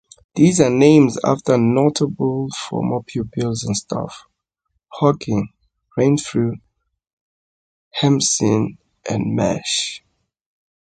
These are named after notable former pupils and staff: Hawking, Renfrew, Hampson and Marsh.